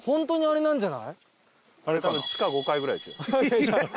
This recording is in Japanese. あれ多分地下５階ぐらいですよ。